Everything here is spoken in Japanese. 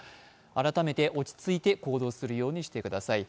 改めて落ち着いて行動するようにしてください。